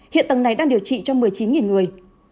hiện tầng này đang điều trị cho một mươi chín người